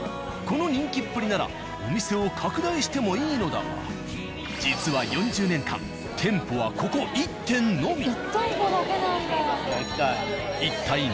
この人気っぷりならお店を拡大してもいいのだが実は４０年間店舗はここ１店のみ。